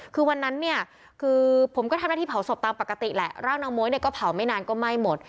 คือวันนั้นเนี่ยคือผมก็ทำหน้าที่เผาศพตามปกติแหละร่างนางม้วยเนี่ยก็เผาไม่นานก็ไหม้หมด